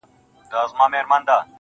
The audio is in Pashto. چي د وجود، په هر يو رگ کي دي آباده کړمه.